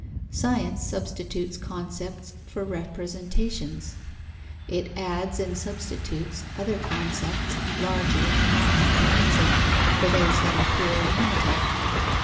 Science substitutes concepts for representations; it adds and substitutes other concepts larger and more comprehensive for those that are poor and limited.